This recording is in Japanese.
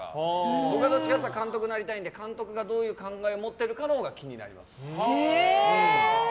僕はどちらかというと監督になりたいので監督がどういう考え持ってるかのほうが気になります。